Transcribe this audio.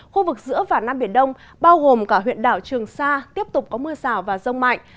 khu vực giữa và nam biển đông bao gồm cả huyện đảo trường sa tiếp tục có mưa rào và rông mạnh